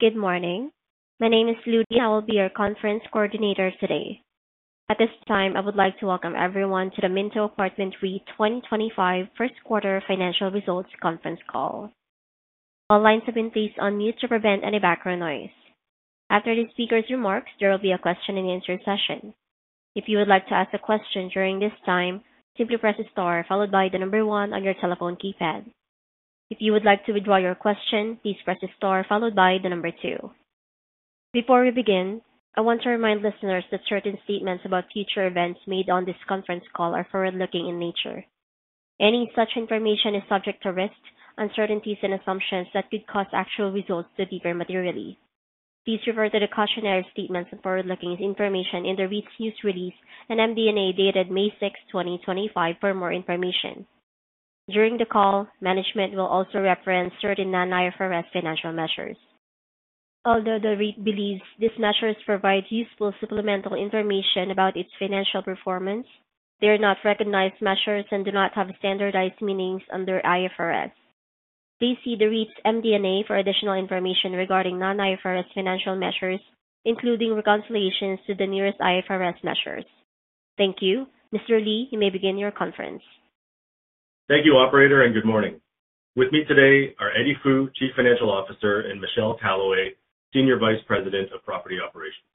Good morning. My name is Ludi, and I will be your conference coordinator today. At this time, I would like to welcome everyone to the Minto Apartment Real Estate Investment Trust 2025 First Quarter Financial Results Conference Call. All lines have been placed on mute to prevent any background noise. After the speaker's remarks, there will be a question-and-answer session. If you would like to ask a question during this time, simply press star followed by the number one on your telephone keypad. If you would like to withdraw your question, please press star followed by the number two. Before we begin, I want to remind listeners that certain statements about future events made on this conference call are forward-looking in nature. Any such information is subject to risks, uncertainties, and assumptions that could cause actual results to differ materially. Please refer to the cautionary statements and forward-looking information in the REIT's news release and MD&A dated May 6, 2025, for more information. During the call, management will also reference certain non-IFRS financial measures. Although the REIT believes these measures provide useful supplemental information about its financial performance, they are not recognized measures and do not have standardized meanings under IFRS. Please see the REIT's MD&A for additional information regarding non-IFRS financial measures, including reconciliations to the nearest IFRS measures. Thank you. Mr. Lee, you may begin your conference. Thank you, Operator, and good morning. With me today are Eddie Fu, Chief Financial Officer, and Michelle Calloy, Senior Vice President of Property Operations.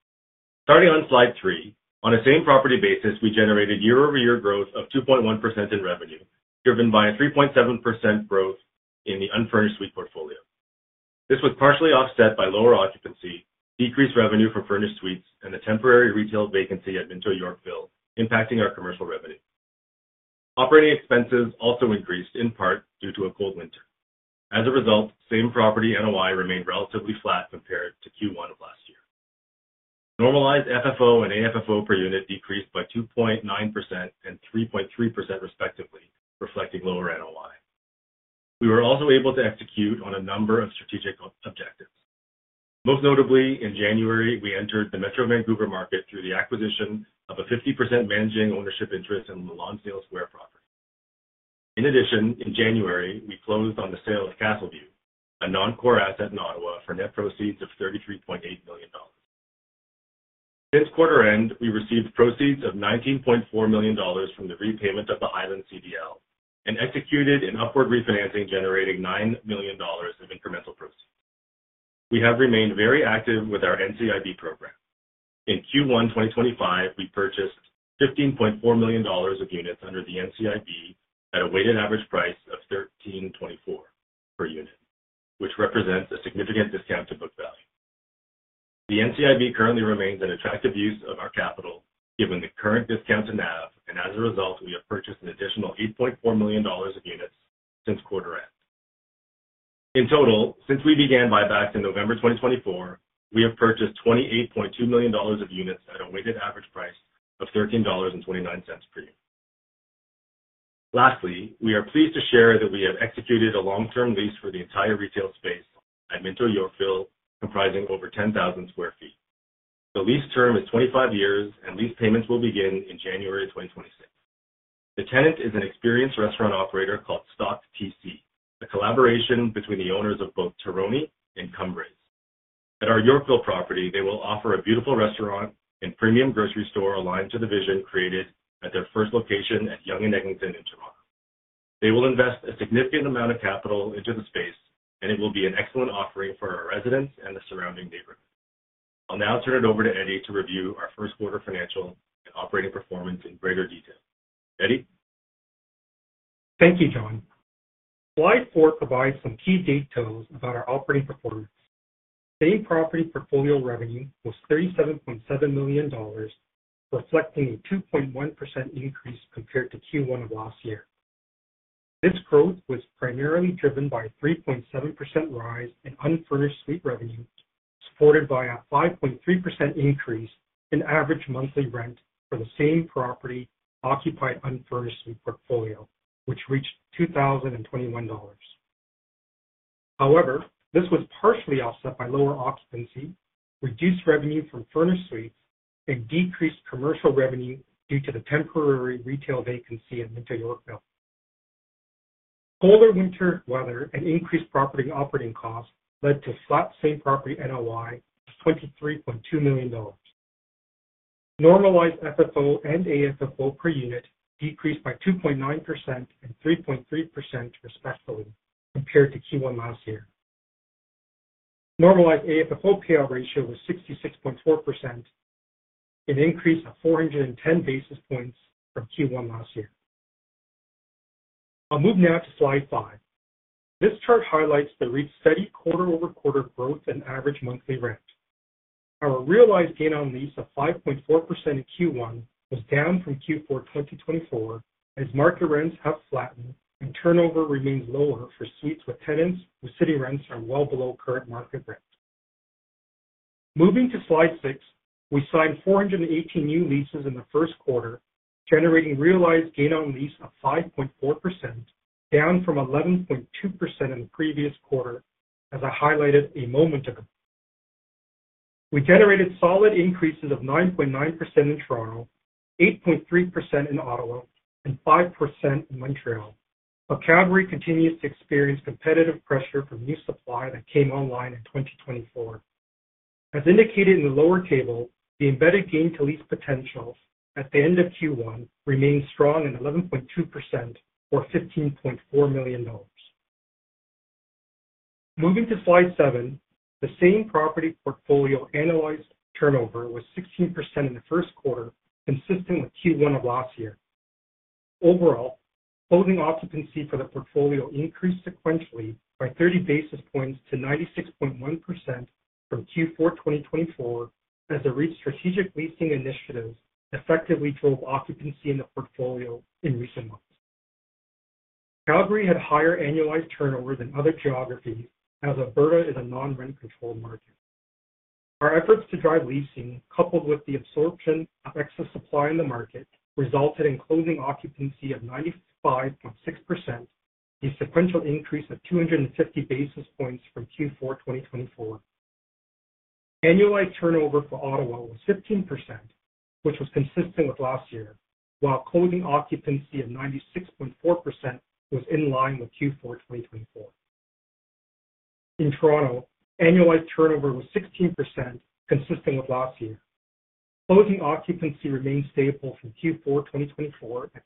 Starting on slide three, on a same property basis, we generated year-over-year growth of 2.1% in revenue, driven by a 3.7% growth in the unfurnished suite portfolio. This was partially offset by lower occupancy, decreased revenue from furnished suites, and the temporary retail vacancy at Minto, Yorkville, impacting our commercial revenue. Operating expenses also increased, in part, due to a cold winter. As a result, same property NOI remained relatively flat compared to Q1 of last year. Normalized FFO and AFFO per unit decreased by 2.9% and 3.3%, respectively, reflecting lower NOI. We were also able to execute on a number of strategic objectives. Most notably, in January, we entered the Metro Vancouver market through the acquisition of a 50% managing ownership interest in the Lawn Sales Square property. In addition, in January, we closed on the sale of Castle View, a non-core asset in Ottawa, for net proceeds of $33.8 million. Since quarter end, we received proceeds of 19.4 million dollars from the repayment of tHighland CDL and executed an upward refinancing generating $9 million of incremental proceeds. We have remained very active with our NCIB program. In Q1 2025, we purchased 15.4 million dollars of units under the NCIB at a weighted average price of $13.24 per unit, which represents a significant discount to book value. The NCIB currently remains an attractive use of our capital, given the current discount to NAV, and as a result, we have purchased an additional $8.4 million of units since quarter end. In total, since we began buybacks in November 2024, we have purchased $28.2 million of units at a weighted average price of $13.29 per unit. Lastly, we are pleased to share that we have executed a long-term lease for the entire retail space at Minto Yorkville, comprising over 10,000 sq ft. The lease term is 25 years, and lease payments will begin in January 2026. The tenant is an experienced restaurant operator called Stock TC, a collaboration between the owners of both Terroni and Cumbrae’s. At our Yorkville property, they will offer a beautiful restaurant and premium grocery store aligned to the vision created at their first location at Yonge & Eglinton in Toronto. They will invest a significant amount of capital into the space, and it will be an excellent offering for our residents and the surrounding neighborhood. I'll now turn it over to Eddie to review our first quarter financial and operating performance in greater detail. Eddie. Thank you, John. Slide four provides some key details about our operating performance. Same property portfolio revenue was $37.7 million, reflecting a 2.1% increase compared to Q1 of last year. This growth was primarily driven by a 3.7% rise in unfurnished suite revenue, supported by a 5.3% increase in average monthly rent for the same property occupied unfurnished suite portfolio, which reached $2,021. However, this was partially offset by lower occupancy, reduced revenue from furnished suites, and decreased commercial revenue due to the temporary retail vacancy at Minto, Yorkville. Colder winter weather and increased property operating costs led to flat same property NOI of $23.2 million. Normalized FFO and AFFO per unit decreased by 2.9% and 3.3%, respectively, compared to Q1 last year. Normalized AFFO payout ratio was 66.4%, an increase of 410 basis points from Q1 last year. I'll move now to slide five. This chart highlights the REIT's steady quarter-over-quarter growth and average monthly rent. Our realized gain on lease of 5.4% in Q1 was down from Q4 2024, as market rents have flattened and turnover remains lower for suites with tenants whose city rents are well below current market rent. Moving to slide six, we signed 418 new leases in the first quarter, generating realized gain on lease of 5.4%, down from 11.2% in the previous quarter, as I highlighted a moment ago. We generated solid increases of 9.9% in Toronto, 8.3% in Ottawa, and 5% in Montreal. Calgary continues to experience competitive pressure from new supply that came online in 2024. As indicated in the lower table, the embedded gain to lease potentials at the end of Q1 remained strong at 11.2%, or $15.4 million. Moving to slide seven, the same property portfolio annualized turnover was 16% in the first quarter, consistent with Q1 of last year. Overall, closing occupancy for the portfolio increased sequentially by 30 basis points to 96.1% from Q4 2024, as the REIT's strategic leasing initiatives effectively drove occupancy in the portfolio in recent months. Calgary had higher annualized turnover than other geographies, as Alberta is a non-rent-controlled market. Our efforts to drive leasing, coupled with the absorption of excess supply in the market, resulted in closing occupancy of 95.6%, a sequential increase of 250 basis points from Q4 2024. Annualized turnover for Ottawa was 15%, which was consistent with last year, while closing occupancy of 96.4% was in line with Q4 2024. In Toronto, annualized turnover was 16%, consistent with last year. Closing occupancy remained stable from Q4 2024 at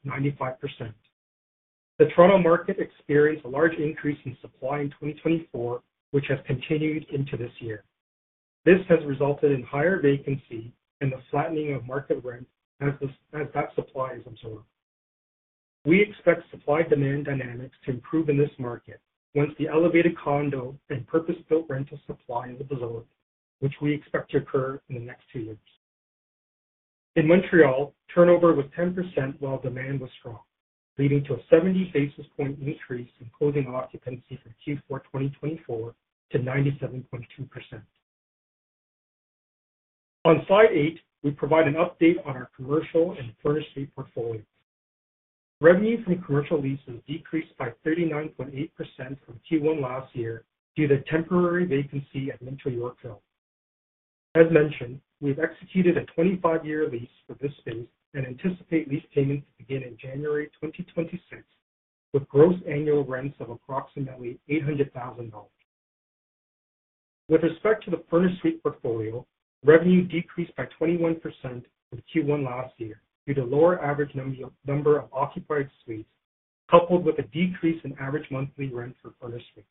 95%. The Toronto market experienced a large increase in supply in 2024, which has continued into this year. This has resulted in higher vacancy and the flattening of market rent as that supply is absorbed. We expect supply-demand dynamics to improve in this market once the elevated condo and purpose-built rental supply is absorbed, which we expect to occur in the next two years. In Montreal, turnover was 10% while demand was strong, leading to a 70 basis point increase in closing occupancy from Q4 2024 to 97.2%. On slide eight, we provide an update on our commercial and furnished suite portfolios. Revenue from commercial leases decreased by 39.8% from Q1 last year due to temporary vacancy at Minto, Yorkville. As mentioned, we've executed a 25-year lease for this space and anticipate lease payments to begin in January 2026, with gross annual rents of approximately $800,000. With respect to the furnished suite portfolio, revenue decreased by 21% from Q1 last year due to lower average number of occupied suites, coupled with a decrease in average monthly rent for furnished suites.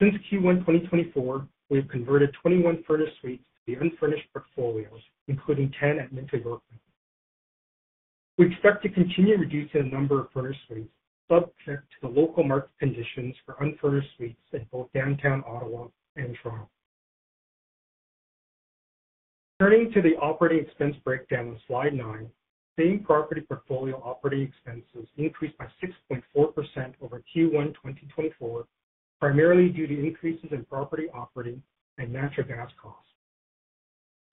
Since Q1 2024, we have converted 21 furnished suites to the unfurnished portfolios, including 10 at Minto, Yorkville. We expect to continue reducing the number of furnished suites, subject to the local market conditions for unfurnished suites in both downtown Ottawa and Toronto. Turning to the operating expense breakdown on slide nine, same property portfolio operating expenses increased by 6.4% over Q1 2024, primarily due to increases in property operating and natural gas costs.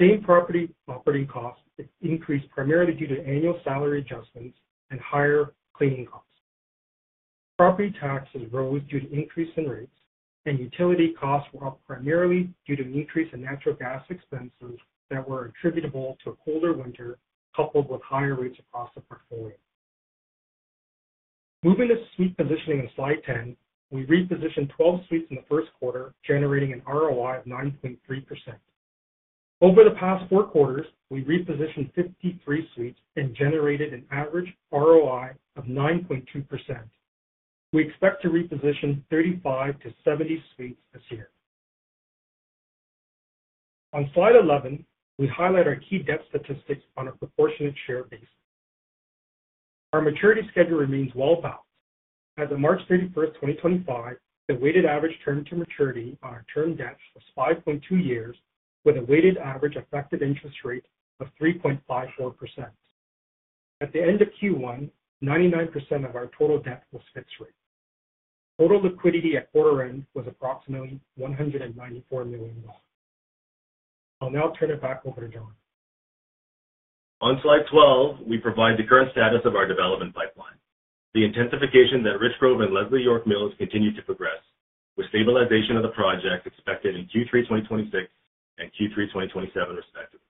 Same property operating costs increased primarily due to annual salary adjustments and higher cleaning costs. Property taxes rose due to increase in rates, and utility costs were up primarily due to an increase in natural gas expenses that were attributable to a colder winter, coupled with higher rates across the portfolio. Moving to suite repositioning on slide 10, we repositioned 12 suites in the first quarter, generating an ROI of 9.3%. Over the past four quarters, we repositioned 53 suites and generated an average ROI of 9.2%. We expect to reposition 35-70 suites this year. On slide 11, we highlight our key debt statistics on a proportionate share basis. Our maturity schedule remains well-balanced. As of March 31, 2025, the weighted average term-to-maturity on our term debt was 5.2 years, with a weighted average effective interest rate of 3.54%. At the end of Q1, 99% of our total debt was fixed rate. Total liquidity at quarter end was approximately $194 million. I'll now turn it back over to John. On slide 12, we provide the current status of our development pipeline. The intensification at Richgrove and Leslie York Mills continue to progress, with stabilization of the project expected in Q3 2026 and Q3 2027, respectively.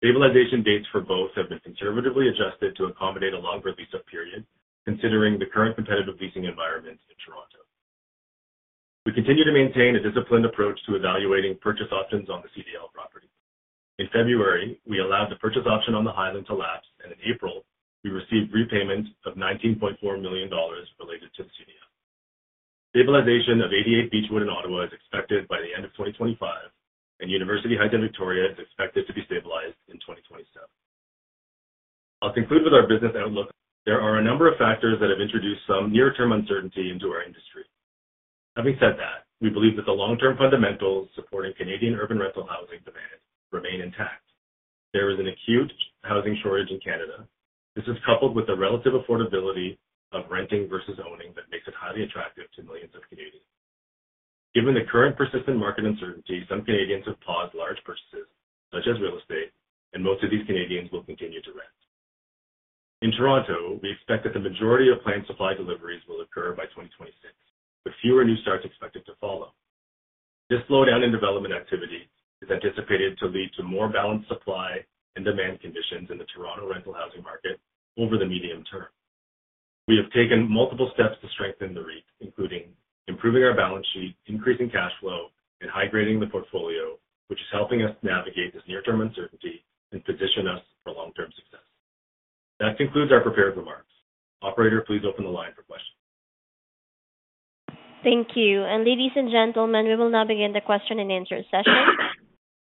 Stabilization dates for both have been conservatively adjusted to accommodate a longer lease-up period, considering the current competitive leasing environment in Toronto. We continue to maintain a disciplined approach to evaluating purchase options on the CDL property. In February, we allowed the purchase option on the Highland to lapse, and in April, we received repayment of $19.4 million related to the CDL. Stabilization of 88 Beechwood in Ottawa is expected by the end of 2025, and University Heights in Victoria is expected to be stabilized in 2027. I'll conclude with our business outlook. There are a number of factors that have introduced some near-term uncertainty into our industry. Having said that, we believe that the long-term fundamentals supporting Canadian urban rental housing demand remain intact. There is an acute housing shortage in Canada. This is coupled with the relative affordability of renting versus owning that makes it highly attractive to millions of Canadians. Given the current persistent market uncertainty, some Canadians have paused large purchases, such as real estate, and most of these Canadians will continue to rent. In Toronto, we expect that the majority of planned supply deliveries will occur by 2026, with fewer new starts expected to follow. This slowdown in development activity is anticipated to lead to more balanced supply and demand conditions in the Toronto rental housing market over the medium term. We have taken multiple steps to strengthen the REIT, including improving our balance sheet, increasing cash flow, and hydrating the portfolio, which is helping us navigate this near-term uncertainty and position us for long-term success. That concludes our prepared remarks. Operator, please open the line for questions. Thank you. Ladies and gentlemen, we will now begin the question and answer session.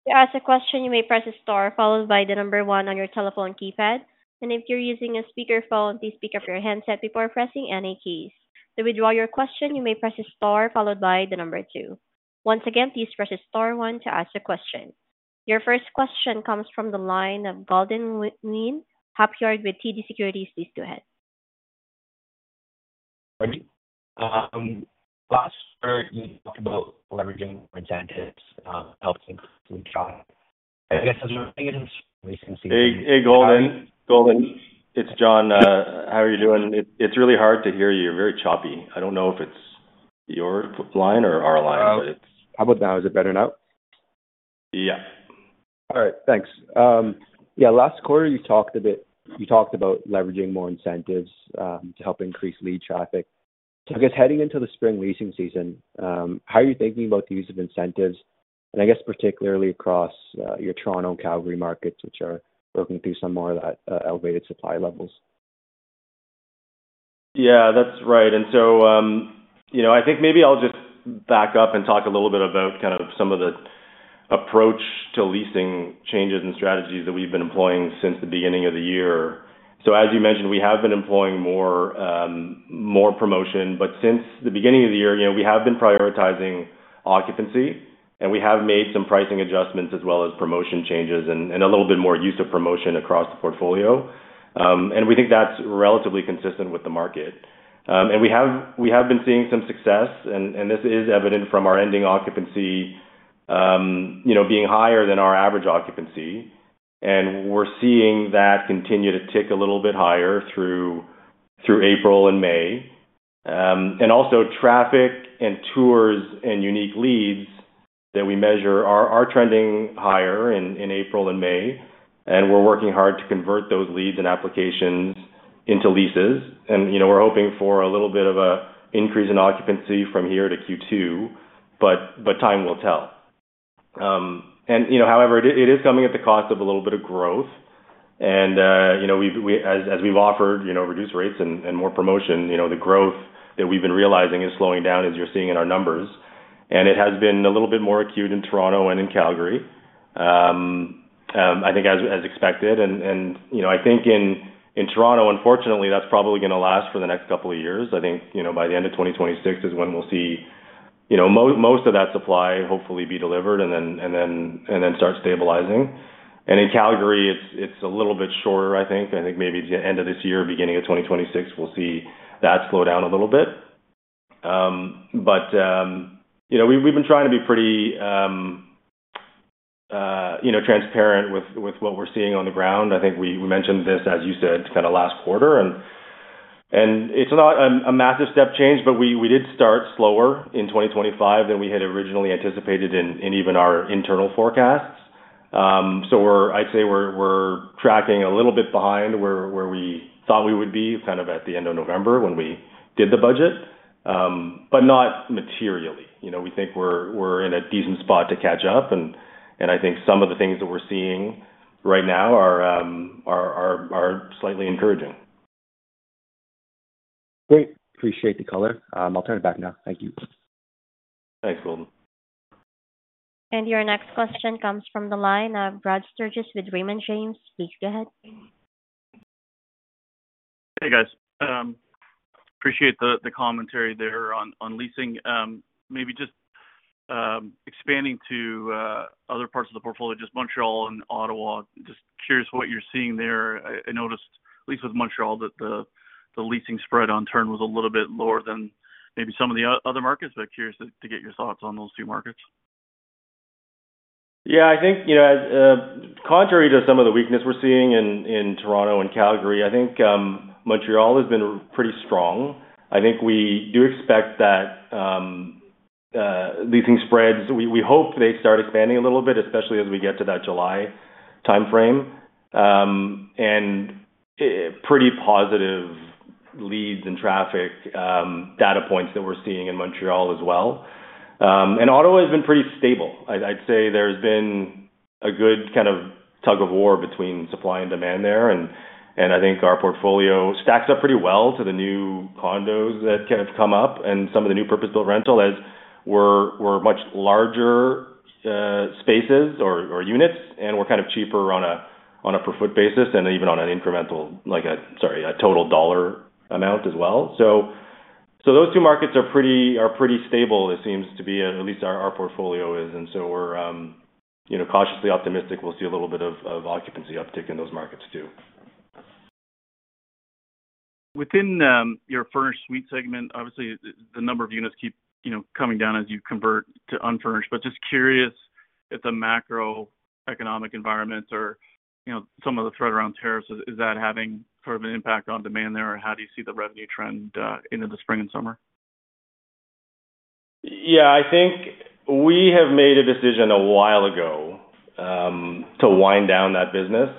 To ask a question, you may press the star followed by the number one on your telephone keypad. If you are using a speakerphone, please pick up your headset before pressing any keys. To withdraw your question, you may press the star followed by the number two. Once again, please press the star one to ask a question. Your first question comes from the line of Golden Wynn Hopyard with TD Securities. Please go ahead. Good morning. Last question, you talked about leveraging more tenants, helping to drive. I guess as we're picking up. Hey, Golden. Hey, Golden. It's John. How are you doing? It's really hard to hear you. You're very choppy. I don't know if it's your line or our line. How about now? Is it better now? Yeah. All right. Thanks. Yeah. Last quarter, you talked about leveraging more incentives to help increase lead traffic. I guess heading into the spring leasing season, how are you thinking about the use of incentives? I guess particularly across your Toronto and Calgary markets, which are working through some more of that elevated supply levels. Yeah, that's right. I think maybe I'll just back up and talk a little bit about kind of some of the approach to leasing changes and strategies that we've been employing since the beginning of the year. As you mentioned, we have been employing more promotion. Since the beginning of the year, we have been prioritizing occupancy, and we have made some pricing adjustments as well as promotion changes and a little bit more use of promotion across the portfolio. We think that's relatively consistent with the market. We have been seeing some success, and this is evident from our ending occupancy being higher than our average occupancy. We're seeing that continue to tick a little bit higher through April and May. Also, traffic and tours and unique leads that we measure are trending higher in April and May. We're working hard to convert those leads and applications into leases. We're hoping for a little bit of an increase in occupancy from here to Q2, but time will tell. However, it is coming at the cost of a little bit of growth. As we've offered reduced rates and more promotion, the growth that we've been realizing is slowing down, as you're seeing in our numbers. It has been a little bit more acute in Toronto and in Calgary, I think, as expected. I think in Toronto, unfortunately, that's probably going to last for the next couple of years. I think by the end of 2026 is when we'll see most of that supply hopefully be delivered and then start stabilizing. In Calgary, it's a little bit shorter, I think. I think maybe at the end of this year, beginning of 2026, we'll see that slow down a little bit. We've been trying to be pretty transparent with what we're seeing on the ground. I think we mentioned this, as you said, kind of last quarter. It's not a massive step change, but we did start slower in 2025 than we had originally anticipated in even our internal forecasts. I'd say we're tracking a little bit behind where we thought we would be kind of at the end of November when we did the budget, but not materially. We think we're in a decent spot to catch up. I think some of the things that we're seeing right now are slightly encouraging. Great. Appreciate the color. I'll turn it back now. Thank you. Thanks, Golden. Your next question comes from the line of Brad Sturges with Raymond James. Please go ahead. Hey, guys. Appreciate the commentary there on leasing. Maybe just expanding to other parts of the portfolio, just Montreal and Ottawa. Just curious what you're seeing there. I noticed, at least with Montreal, that the leasing spread on turn was a little bit lower than maybe some of the other markets. Curious to get your thoughts on those two markets. Yeah. I think contrary to some of the weakness we're seeing in Toronto and Calgary, I think Montreal has been pretty strong. I think we do expect that leasing spreads, we hope they start expanding a little bit, especially as we get to that July timeframe. And pretty positive leads and traffic data points that we're seeing in Montreal as well. Ottawa has been pretty stable. I'd say there's been a good kind of tug-of-war between supply and demand there. I think our portfolio stacks up pretty well to the new condos that have come up and some of the new purpose-built rental as we're much larger spaces or units, and we're kind of cheaper on a per-foot basis and even on an incremental, sorry, a total dollar amount as well. Those two markets are pretty stable, it seems to be, at least our portfolio is. We're cautiously optimistic we'll see a little bit of occupancy uptick in those markets too. Within your furnished suite segment, obviously, the number of units keep coming down as you convert to unfurnished. Just curious if the macroeconomic environments or some of the threat around tariffs, is that having sort of an impact on demand there? How do you see the revenue trend into the spring and summer? Yeah. I think we have made a decision a while ago to wind down that business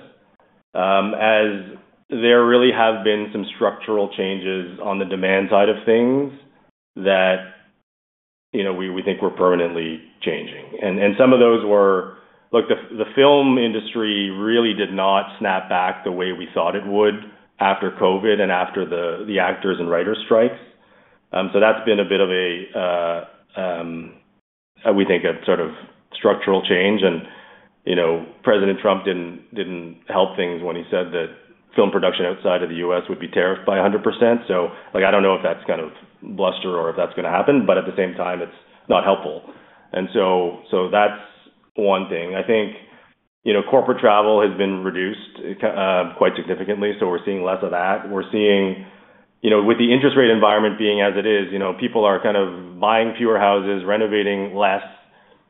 as there really have been some structural changes on the demand side of things that we think were permanently changing. Some of those were, look, the film industry really did not snap back the way we thought it would after COVID and after the actors' and writers' strikes. That has been a bit of a, we think, a sort of structural change. President Trump did not help things when he said that film production outside of the U.S. would be tariffed by 100%. I do not know if that is kind of bluster or if that is going to happen, but at the same time, it is not helpful. That is one thing. I think corporate travel has been reduced quite significantly, so we are seeing less of that. We're seeing, with the interest rate environment being as it is, people are kind of buying fewer houses, renovating less.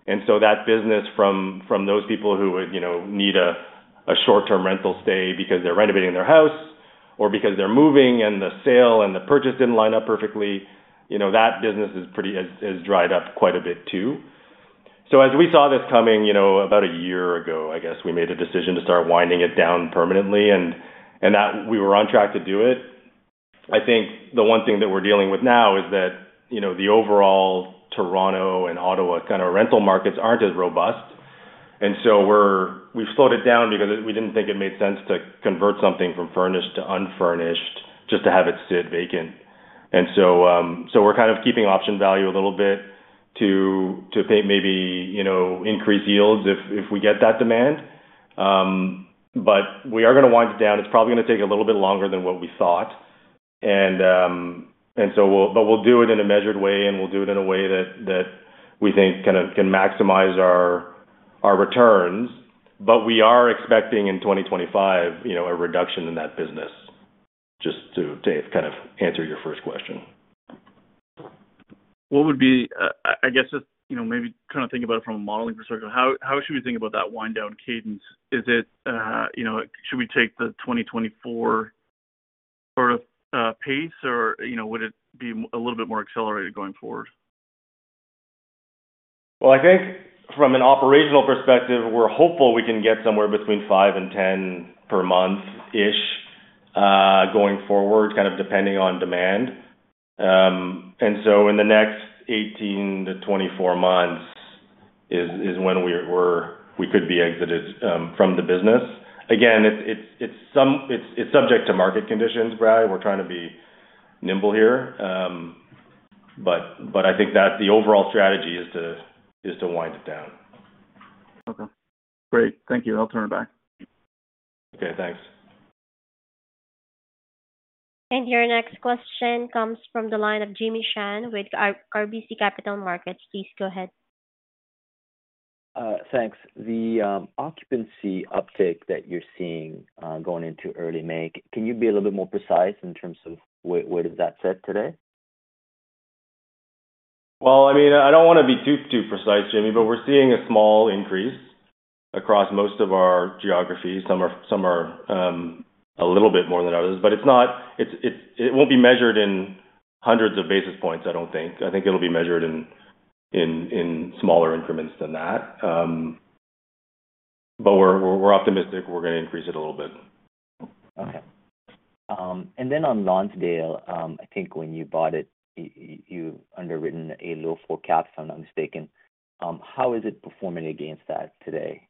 That business from those people who need a short-term rental stay because they're renovating their house or because they're moving and the sale and the purchase didn't line up perfectly, that business has dried up quite a bit too. As we saw this coming about a year ago, I guess we made a decision to start winding it down permanently, and we were on track to do it. I think the one thing that we're dealing with now is that the overall Toronto and Ottawa kind of rental markets aren't as robust. We've slowed it down because we didn't think it made sense to convert something from furnished to unfurnished just to have it sit vacant. We are kind of keeping option value a little bit to maybe increase yields if we get that demand. We are going to wind it down. It is probably going to take a little bit longer than what we thought. We will do it in a measured way, and we will do it in a way that we think can maximize our returns. We are expecting in 2025 a reduction in that business, just to kind of answer your first question. What would be, I guess, just maybe trying to think about it from a modeling perspective, how should we think about that wind-down cadence? Is it, should we take the 2024 sort of pace, or would it be a little bit more accelerated going forward? I think from an operational perspective, we're hopeful we can get somewhere between fi and 10 per month-ish going forward, kind of depending on demand. In the next 18 to 24 months is when we could be exited from the business. Again, it's subject to market conditions, Brian. We're trying to be nimble here. I think that the overall strategy is to wind it down. Okay. Great. Thank you. I'll turn it back. Okay. Thanks. Your next question comes from the line of Jimmy Shan with RBC Capital Markets. Please go ahead. Thanks. The occupancy uptick that you're seeing going into early May, can you be a little bit more precise in terms of where does that sit today? I mean, I don't want to be too precise, Jamie, but we're seeing a small increase across most of our geographies. Some are a little bit more than others. It won't be measured in hundreds of basis points, I don't think. I think it'll be measured in smaller increments than that. We're optimistic we're going to increase it a little bit. Okay. On Lawnsdale, I think when you bought it, you underwritten a low forecast, if I'm not mistaken. How is it performing against that today?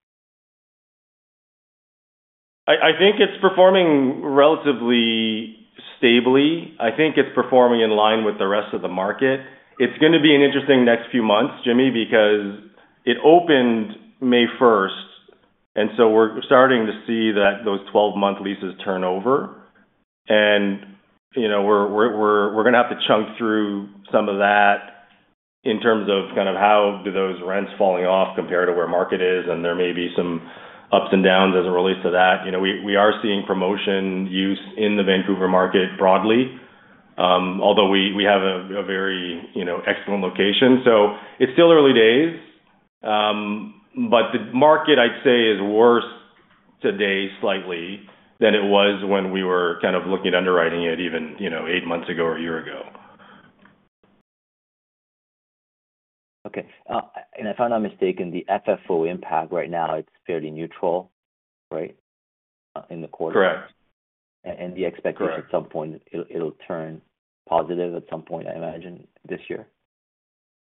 I think it's performing relatively stably. I think it's performing in line with the rest of the market. It's going to be an interesting next few months, Jimmy, because it opened May 1. And we are starting to see that those 12-month leases turn over. We are going to have to chunk through some of that in terms of kind of how do those rents falling off compare to where market is. There may be some ups and downs as it relates to that. We are seeing promotion use in the Vancouver market broadly, although we have a very excellent location. It is still early days. The market, I'd say, is worse today slightly than it was when we were kind of looking at underwriting it even eight months ago or a year ago. Okay. If I'm not mistaken, the FFO impact right now, it's fairly neutral, right, in the quarter? Correct. The expectation at some point it'll turn positive at some point, I imagine, this year?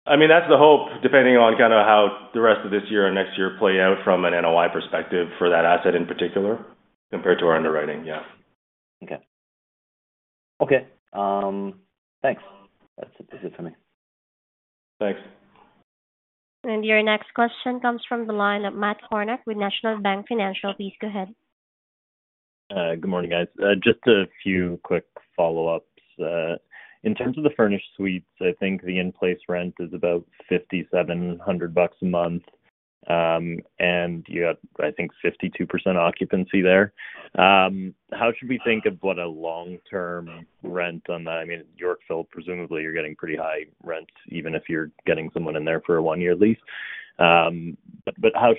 I mean, that's the hope, depending on kind of how the rest of this year and next year play out from an NOI perspective for that asset in particular compared to our underwriting. Yeah. Okay. Okay. Thanks. That's it for me. Thanks. Your next question comes from the line of Matt Kornack with National Bank Financial. Please go ahead. Good morning, guys. Just a few quick follow-ups. In terms of the furnished suites, I think the in-place rent is about 5,700 bucks a month. And you have, I think, 52% occupancy there. How should we think of what a long-term rent on that? I mean, Yorkville, presumably, you're getting pretty high rents, even if you're getting someone in there for a one-year lease. How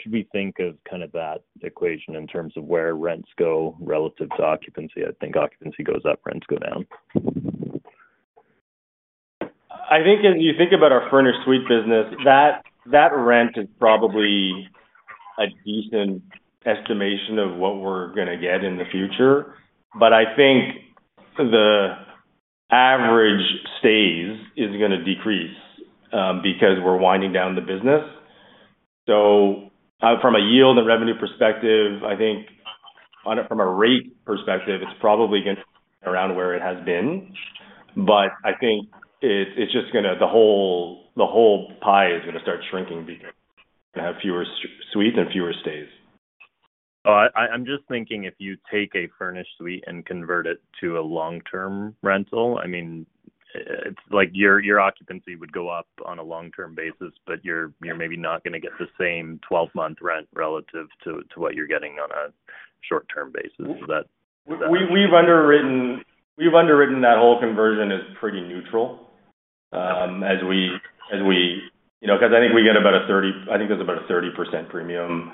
should we think of kind of that equation in terms of where rents go relative to occupancy? I think occupancy goes up, rents go down. I think if you think about our furnished suite business, that rent is probably a decent estimation of what we're going to get in the future. I think the average stays is going to decrease because we're winding down the business. From a yield and revenue perspective, I think from a rate perspective, it's probably going to be around where it has been. I think the whole pie is going to start shrinking because we're going to have fewer suites and fewer stays. I'm just thinking if you take a furnished suite and convert it to a long-term rental, I mean, your occupancy would go up on a long-term basis, but you're maybe not going to get the same 12-month rent relative to what you're getting on a short-term basis. We've underwritten that whole conversion as pretty neutral as we because I think we get about a 30% I think there's about a 30% premium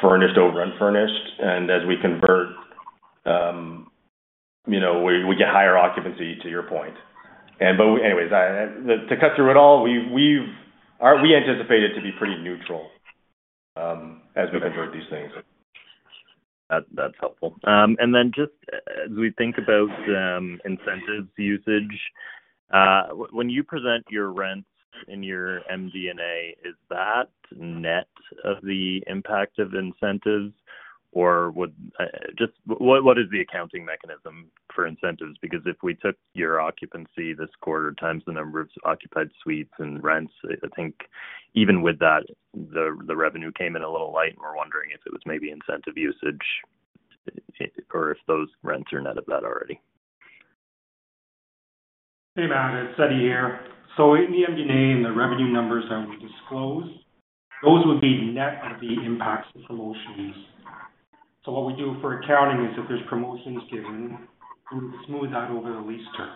furnished over unfurnished. As we convert, we get higher occupancy to your point. Anyways, to cut through it all, we anticipate it to be pretty neutral as we convert these things. That's helpful. Just as we think about incentives usage, when you present your rents in your MD&A, is that net of the impact of incentives? Or what is the accounting mechanism for incentives? Because if we took your occupancy this quarter times the number of occupied suites and rents, I think even with that, the revenue came in a little light. We're wondering if it was maybe incentive usage or if those rents are net of that already. Hey, Matt. It's Eddie here. In the MD&A and the revenue numbers that were disclosed, those would be net of the impacts of promotions. What we do for accounting is if there's promotions given, we would smooth that over the lease term.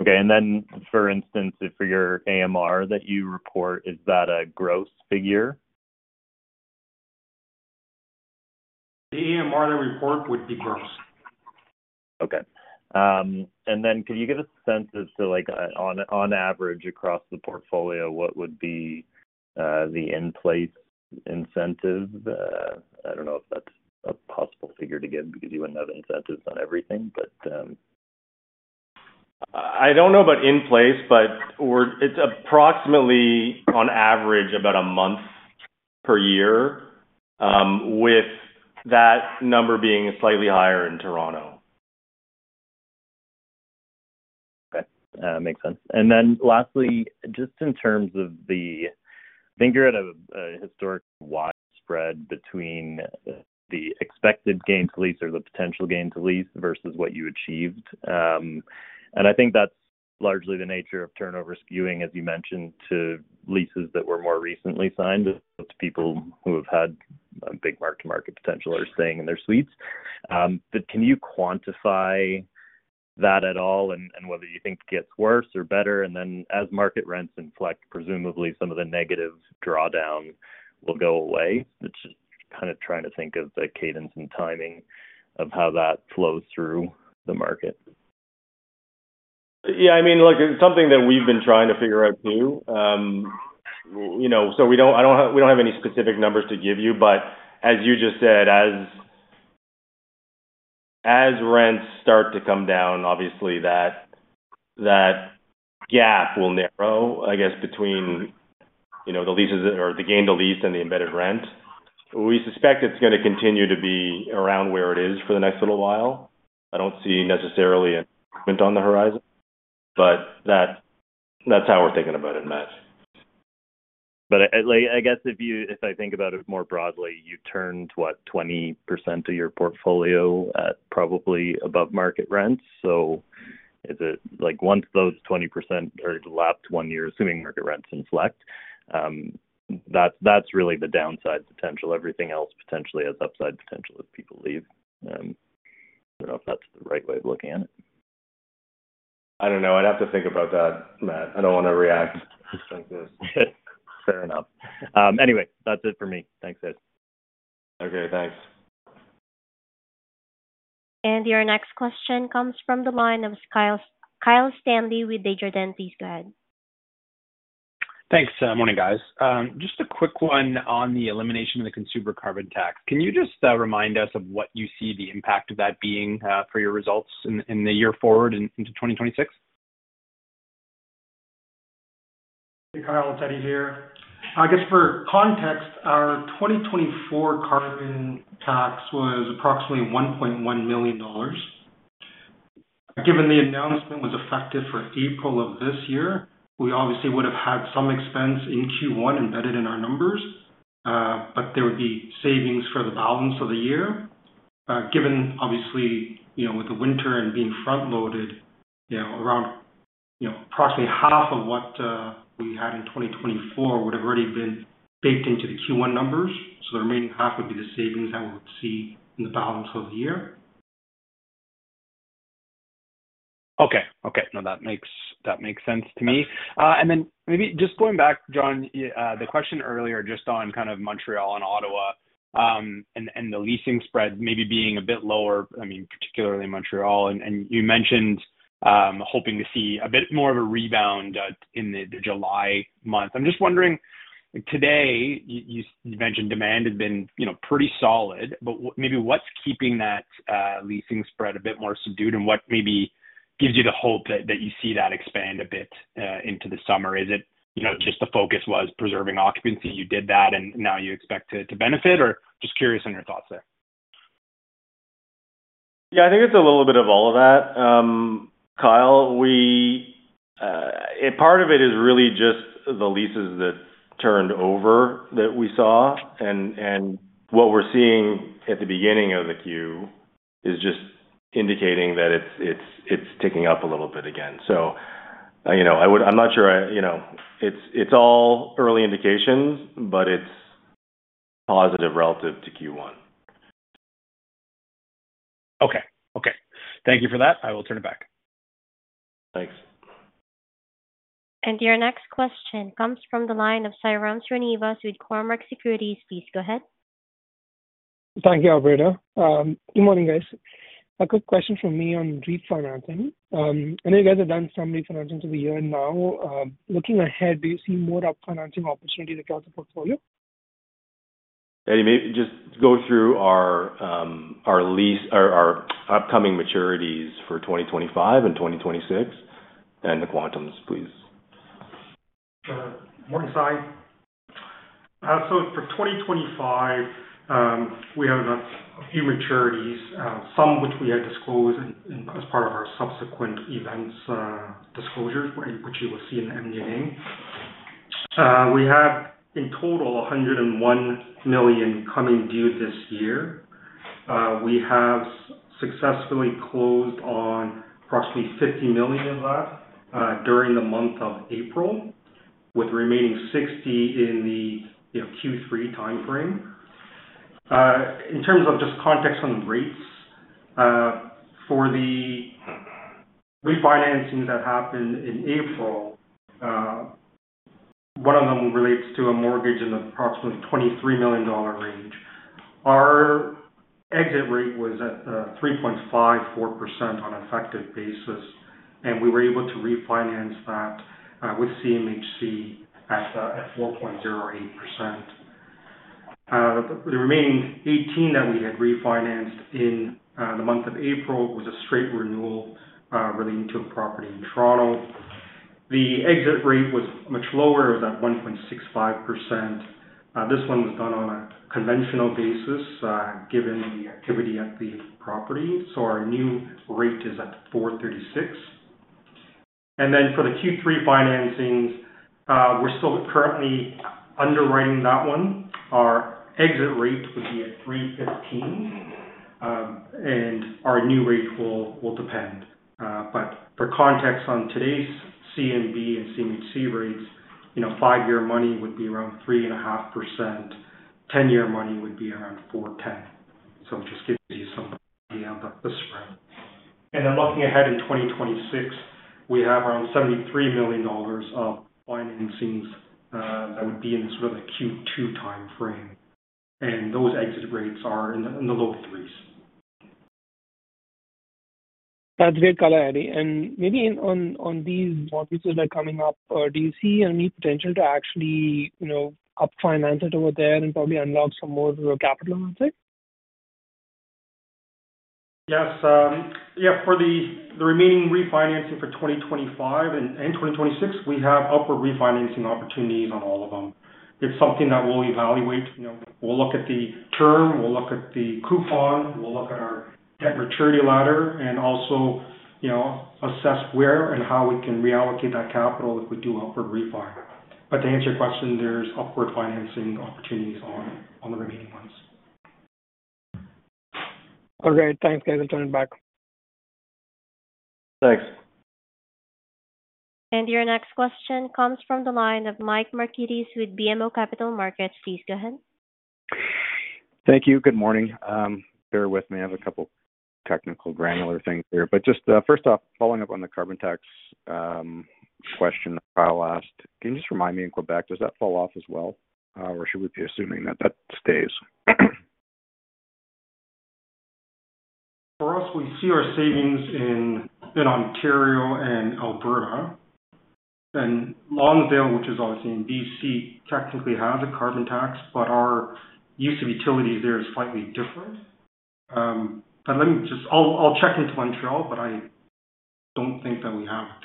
Okay. And then, for instance, for your AMR that you report, is that a gross figure? The AMR that we report would be gross. Okay. Could you give us a sense as to, on average, across the portfolio, what would be the in-place incentive? I don't know if that's a possible figure to give because you wouldn't have incentives on everything, but. I don't know about in-place, but it's approximately, on average, about a month per year, with that number being slightly higher in Toronto. Okay. Makes sense. Lastly, just in terms of the, I think you're at a historically wide spread between the expected gain to lease or the potential gain to lease versus what you achieved. I think that's largely the nature of turnover skewing, as you mentioned, to leases that were more recently signed, to people who have had a big mark-to-market potential or are staying in their suites. Can you quantify that at all and whether you think it gets worse or better? As market rents inflect, presumably some of the negative drawdown will go away. It's just kind of trying to think of the cadence and timing of how that flows through the market. Yeah. I mean, look, it's something that we've been trying to figure out too. So we don't have any specific numbers to give you. But as you just said, as rents start to come down, obviously, that gap will narrow, I guess, between the leases or the gain to lease and the embedded rent. We suspect it's going to continue to be around where it is for the next little while. I don't see necessarily an improvement on the horizon, but that's how we're thinking about it, Matt. I guess if I think about it more broadly, you turned, what, 20% of your portfolio at probably above market rents. Once those 20% are lapped one year, assuming market rents inflect, that's really the downside potential. Everything else potentially has upside potential if people leave. I don't know if that's the right way of looking at it. I don't know. I'd have to think about that, Matt. I don't want to react like this. Fair enough. Anyway, that's it for me. Thanks, Ed. Okay. Thanks. Your next question comes from the line of Kyle Stanley with Desjardins. Please go ahead. Thanks. Morning, guys. Just a quick one on the elimination of the consumer carbon tax. Can you just remind us of what you see the impact of that being for your results in the year forward into 2026? Hey, Kyle. It's Eddie here. I guess for context, our 2024 carbon tax was approximately $1.1 million. Given the announcement was effective for April of this year, we obviously would have had some expense in Q1 embedded in our numbers, but there would be savings for the balance of the year. Given, obviously, with the winter and being front-loaded, around approximately half of what we had in 2024 would have already been baked into the Q1 numbers. The remaining half would be the savings that we would see in the balance of the year. Okay. Okay. No, that makes sense to me. Then maybe just going back, John, the question earlier just on kind of Montreal and Ottawa and the leasing spread maybe being a bit lower, I mean, particularly Montreal. You mentioned hoping to see a bit more of a rebound in the July month. I'm just wondering, today, you mentioned demand had been pretty solid. Maybe what's keeping that leasing spread a bit more subdued? What maybe gives you the hope that you see that expand a bit into the summer? Is it just the focus was preserving occupancy? You did that, and now you expect to benefit? Just curious on your thoughts there. Yeah. I think it's a little bit of all of that. Kyle, part of it is really just the leases that turned over that we saw. What we're seeing at the beginning of the Q is just indicating that it's ticking up a little bit again. I'm not sure. It's all early indications, but it's positive relative to Q1. Okay. Okay. Thank you for that. I will turn it back. Thanks. Your next question comes from the line of Sairam Srinivas with Cormark Securities. Please go ahead. Thank you, Alberto. Good morning, guys. A quick question from me on refinancing. I know you guys have done some refinancing to the year now. Looking ahead, do you see more upfinancing opportunities across the portfolio? Eddie, maybe just go through our upcoming maturities for 2025 and 2026 and the quantums, please. Sure. Morning, Sai. For 2025, we have a few maturities, some of which we had disclosed as part of our subsequent events disclosures, which you will see in the MD&A. We have, in total, 101 million coming due this year. We have successfully closed on approximately $50 million of that during the month of April, with the remaining $60 million in the Q3 timeframe. In terms of just context on rates, for the refinancings that happened in April, one of them relates to a mortgage in the approximately $23 million range. Our exit rate was at 3.54% on an effective basis. We were able to refinance that with CMHC at 4.08%. The remaining 18 that we had refinanced in the month of April was a straight renewal relating to a property in Toronto. The exit rate was much lower. It was at 1.65%. This one was done on a conventional basis given the activity at the property. Our new rate is at 4.36%. For the Q3 financings, we're still currently underwriting that one. Our exit rate would be at 3.15%. Our new rate will depend. For context on today's CMB and CMHC rates, five-year money would be around 3.5%. Ten-year money would be around 4.10%. It just gives you some idea of the spread. Looking ahead in 2026, we have around $73 million of financings that would be in sort of the Q2 timeframe. Those exit rates are in the low threes. That's great, Kala, Eddie. Maybe on these mortgages that are coming up, do you see any potential to actually upfinance it over there and probably unlock some more capital on it? Yes. Yeah. For the remaining refinancing for 2025 and 2026, we have upward refinancing opportunities on all of them. It's something that we'll evaluate. We'll look at the term. We'll look at the coupon. We'll look at our debt maturity ladder and also assess where and how we can reallocate that capital if we do upward refi. To answer your question, there's upward financing opportunities on the remaining ones. All right. Thanks, guys. I'll turn it back. Thanks. Your next question comes from the line of Mike Markidis with BMO Capital Markets. Please go ahead. Thank you. Good morning. Bear with me. I have a couple of technical granular things here. Just first off, following up on the carbon tax question Kyle asked, can you just remind me in Quebec, does that fall off as well? Or should we be assuming that that stays? For us, we see our savings in Ontario and Alberta. Longdale, which is obviously in B.C., technically has a carbon tax, but our use of utilities there is slightly different. I'll check into Montreal, but I don't think that we have it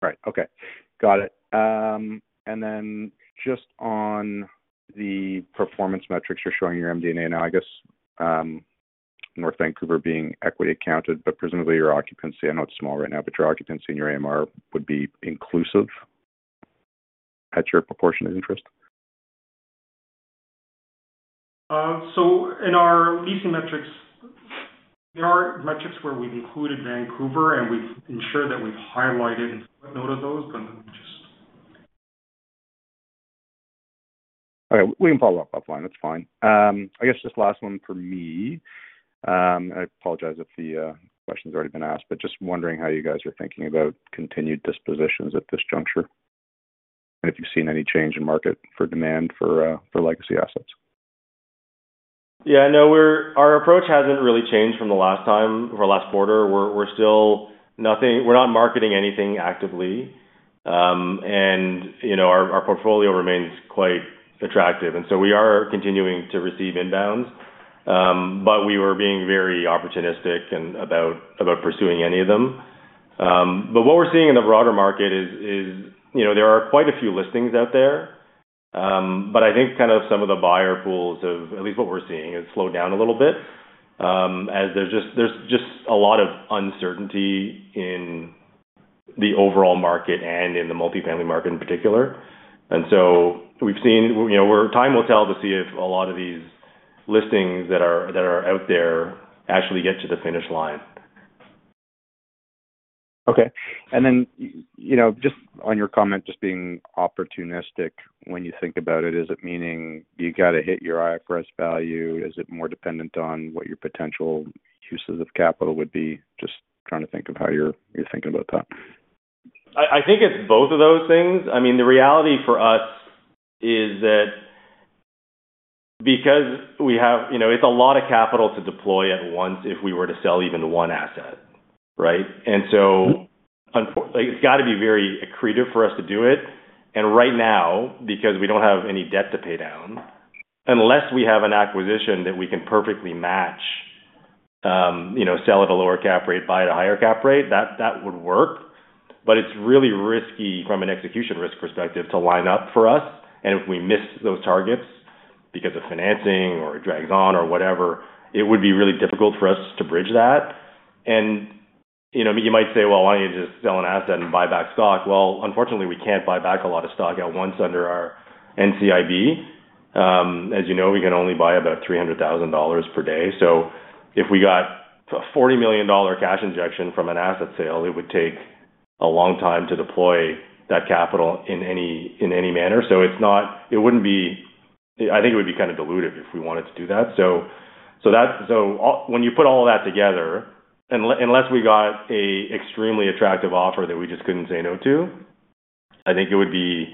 there. Right. Okay. Got it. Just on the performance metrics you're showing in your MD&A now, I guess North Vancouver being equity accounted, but presumably your occupancy. I know it's small right now, but your occupancy and your AMR would be inclusive at your proportion of interest? In our leasing metrics, there are metrics where we've included Vancouver, and we've ensured that we've highlighted and put note of those, but we just. Okay. We can follow up offline. That's fine. I guess just last one for me. I apologize if the question's already been asked, but just wondering how you guys are thinking about continued dispositions at this juncture and if you've seen any change in market for demand for legacy assets. Yeah. No, our approach has not really changed from the last time or last quarter. We are not marketing anything actively. Our portfolio remains quite attractive. We are continuing to receive inbounds, but we are being very opportunistic about pursuing any of them. What we are seeing in the broader market is there are quite a few listings out there. I think kind of some of the buyer pools, at least what we are seeing, have slowed down a little bit as there is just a lot of uncertainty in the overall market and in the multifamily market in particular. We have seen where time will tell to see if a lot of these listings that are out there actually get to the finish line. Okay. Just on your comment, just being opportunistic, when you think about it, is it meaning you got to hit your IFRS value? Is it more dependent on what your potential uses of capital would be? Just trying to think of how you're thinking about that. I think it's both of those things. I mean, the reality for us is that because we have, it's a lot of capital to deploy at once if we were to sell even one asset, right? It has to be very accretive for us to do it. Right now, because we do not have any debt to pay down, unless we have an acquisition that we can perfectly match, sell at a lower cap rate, buy at a higher cap rate, that would work. It is really risky from an execution risk perspective to line up for us. If we miss those targets because of financing or it drags on or whatever, it would be really difficult for us to bridge that. You might say, "Why don't you just sell an asset and buy back stock?" Unfortunately, we can't buy back a lot of stock at once under our NCIB. As you know, we can only buy about $300,000 per day. If we got a $40 million cash injection from an asset sale, it would take a long time to deploy that capital in any manner. It would be kind of dilutive if we wanted to do that. When you put all of that together, unless we got an extremely attractive offer that we just couldn't say no to, I think it would be,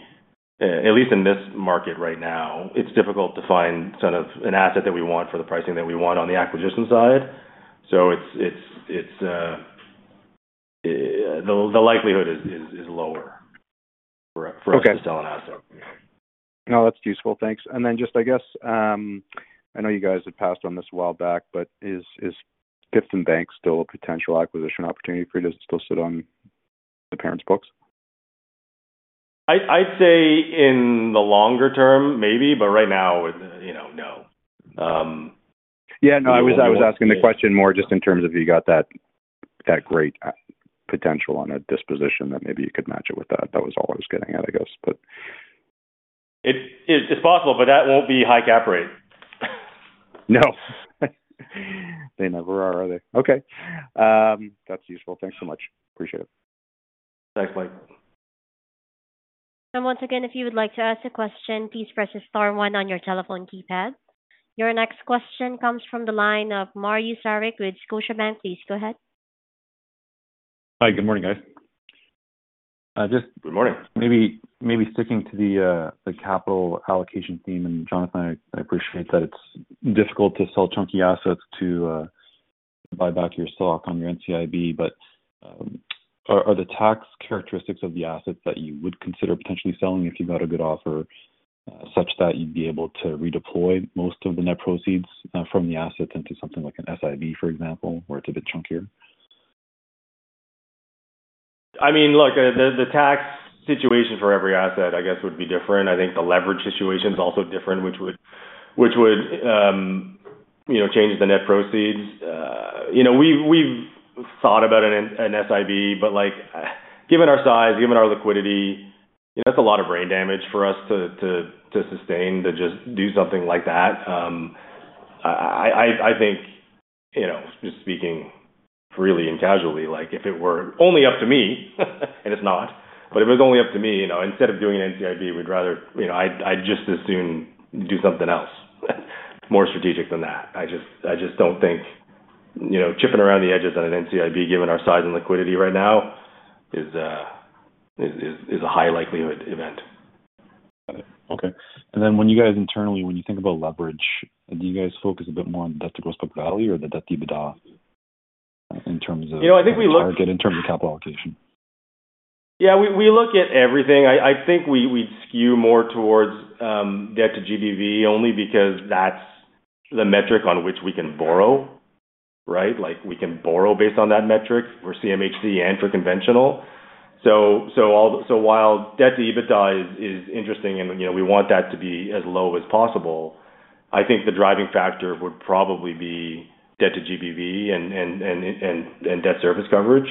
at least in this market right now, difficult to find sort of an asset that we want for the pricing that we want on the acquisition side. The likelihood is lower for us to sell an asset. No, that's useful. Thanks. I guess, I know you guys had passed on this a while back, but is Gifton Bank still a potential acquisition opportunity for you? Does it still sit on the parents' books? I'd say in the longer term, maybe. Right now, no. Yeah. No, I was asking the question more just in terms of you got that great potential on a disposition that maybe you could match it with that. That was all I was getting at, I guess. It's possible, but that won't be high cap rate. No. They never are, are they? Okay. That's useful. Thanks so much. Appreciate it. Thanks, Mike. If you would like to ask a question, please press the star one on your telephone keypad. Your next question comes from the line of Mario Saric with Scotiabank. Please go ahead. Hi. Good morning, guys. Just. Good morning. Maybe sticking to the capital allocation theme, and Jonathan, I appreciate that it's difficult to sell chunky assets to buy back your stock on your NCIB, but are the tax characteristics of the assets that you would consider potentially selling if you got a good offer such that you'd be able to redeploy most of the net proceeds from the assets into something like an SIB, for example, where it's a bit chunkier? I mean, look, the tax situation for every asset, I guess, would be different. I think the leverage situation is also different, which would change the net proceeds. We've thought about an SIB, but given our size, given our liquidity, that's a lot of brain damage for us to sustain to just do something like that. I think, just speaking freely and casually, if it were only up to me—and it's not—but if it was only up to me, instead of doing an NCIB, we'd rather—I’d just as soon do something else, more strategic than that. I just don't think chipping around the edges on an NCIB, given our size and liquidity right now, is a high likelihood event. Got it. Okay. When you guys internally, when you think about leverage, do you guys focus a bit more on debt to gross book value or the debt to EBITDA in terms of market, in terms of capital allocation? Yeah. We look at everything. I think we'd skew more towards debt to GBV only because that's the metric on which we can borrow, right? We can borrow based on that metric for CMHC and for conventional. While debt to EBITDA is interesting and we want that to be as low as possible, I think the driving factor would probably be debt to GBV and debt service coverage.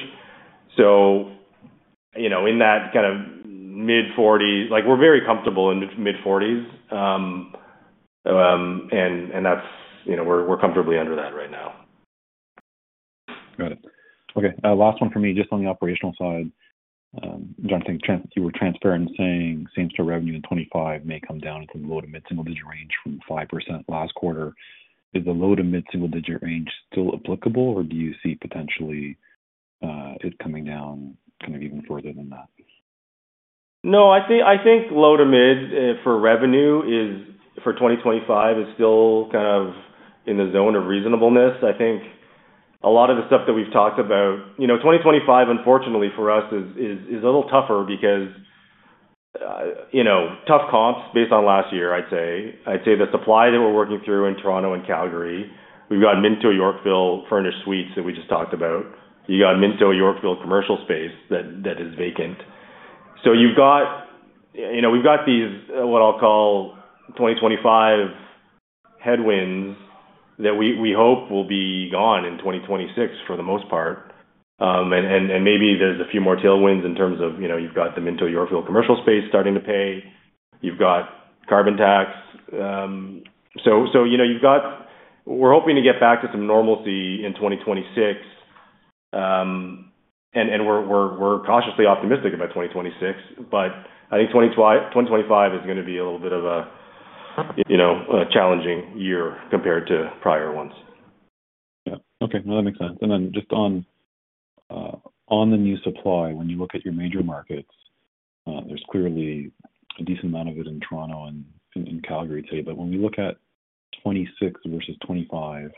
In that kind of mid-40s, we're very comfortable in mid-40s. We're comfortably under that right now. Got it. Okay. Last one for me, just on the operational side. You were transferring, saying same-store revenue in 2025 may come down into the low- to mid-single-digit range from 5% last quarter. Is the low- to mid-single-digit range still applicable, or do you see potentially it coming down kind of even further than that? No. I think low to mid for revenue for 2025 is still kind of in the zone of reasonableness. I think a lot of the stuff that we've talked about, 2025, unfortunately for us, is a little tougher because tough comps based on last year, I'd say. I'd say the supply that we're working through in Toronto and Calgary, we've got Minto, Yorkville, Furnished Suites that we just talked about. You got Minto, Yorkville, commercial space that is vacant. So we've got these, what I'll call, 2025 headwinds that we hope will be gone in 2026 for the most part. Maybe there's a few more tailwinds in terms of you've got the Minto, Yorkville, commercial space starting to pay. You've got carbon tax. We're hoping to get back to some normalcy in 2026. We're cautiously optimistic about 2026. I think 2025 is going to be a little bit of a challenging year compared to prior ones. Yeah. Okay. No, that makes sense. Then just on the new supply, when you look at your major markets, there's clearly a decent amount of it in Toronto and in Calgary, say. When we look at 2026 versus 2025,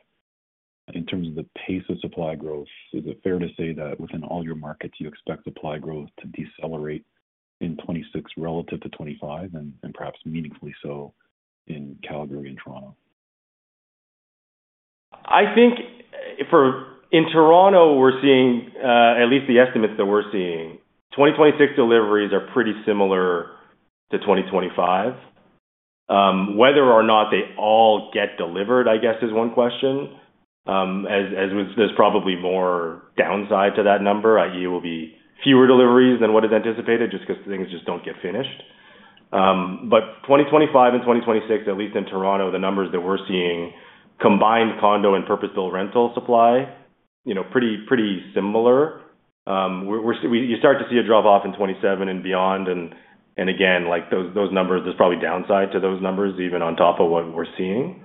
in terms of the pace of supply growth, is it fair to say that within all your markets, you expect supply growth to decelerate in 2026 relative to 2025 and perhaps meaningfully so in Calgary and Toronto? I think in Toronto, we're seeing, at least the estimates that we're seeing, 2026 deliveries are pretty similar to 2025. Whether or not they all get delivered, I guess, is one question, as there's probably more downside to that number. I.e., it will be fewer deliveries than what is anticipated just because things just don't get finished. 2025 and 2026, at least in Toronto, the numbers that we're seeing, combined condo and purpose-built rental supply, pretty similar. You start to see a drop-off in 2027 and beyond. Those numbers, there's probably downside to those numbers, even on top of what we're seeing.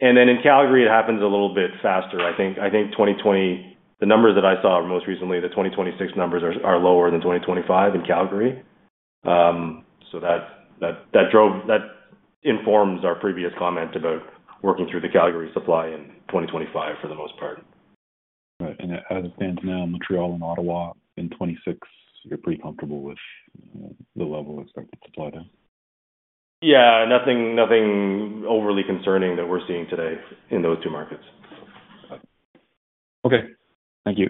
In Calgary, it happens a little bit faster. I think the numbers that I saw most recently, the 2026 numbers, are lower than 2025 in Calgary. That informs our previous comment about working through the Calgary supply in 2025 for the most part. Right. As it stands now, Montreal and Ottawa in 2026, you're pretty comfortable with the level of expected supply there? Yeah. Nothing overly concerning that we're seeing today in those two markets. Okay. Thank you.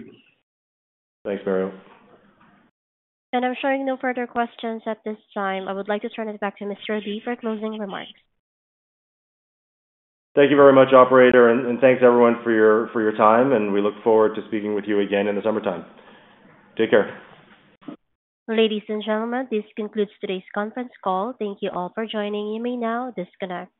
Thanks, Mario. I'm sure no further questions at this time. I would like to turn it back to Mr. Reddy for closing remarks. Thank you very much, operator. Thank you, everyone, for your time. We look forward to speaking with you again in the summertime. Take care. Ladies and gentlemen, this concludes today's conference call. Thank you all for joining. You may now disconnect.